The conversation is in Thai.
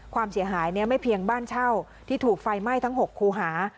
ความเสียหายไม่เพียงบ้านเช่าที่ถูกไฟไหม้ทั้ง๖คูหา